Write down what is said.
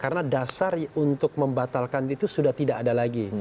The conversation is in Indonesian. karena dasar untuk membatalkan itu sudah tidak ada lagi